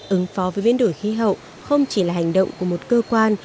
ứng phó với biến đổi khí hậu không chỉ là hành động của một cơ quan